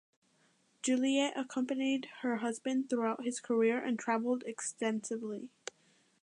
Juliette accompanied her husband throughout his career and travelled extensively.